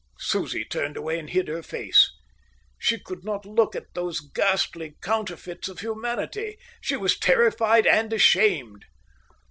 Susie turned away and hid her face. She could not look at those ghastly counterfeits of humanity. She was terrified and ashamed.